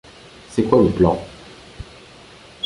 C’est quoi le plan ?